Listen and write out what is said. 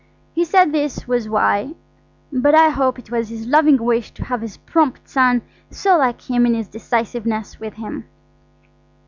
He said this was why, but I hope it was his loving wish to have his prompt son, so like himself in his decisiveness, with him.